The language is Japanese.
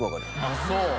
あぁそう。